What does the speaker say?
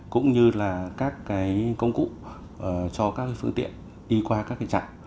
cũng như là các cái công cụ cho các cái phương tiện đi qua các cái chặng